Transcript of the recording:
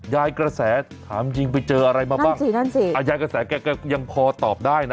กระแสถามจริงไปเจออะไรมาบ้างสินั่นสิอ่ะยายกระแสแกก็ยังพอตอบได้นะ